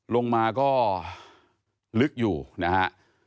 ลงมาก็ลึกอยู่นะฮะ